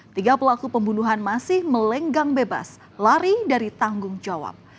tiga pelaku pembunuhan masih melenggang bebas lari dari tanggung jawab